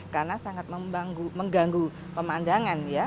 karena sangat mengganggu pemandangan ya